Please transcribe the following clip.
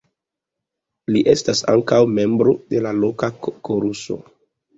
Li estas ankaŭ membro de la loka koruso.